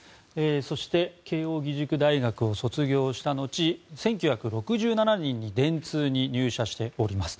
そして慶應義塾大学を卒業したのち１９６７年に電通に入社しております。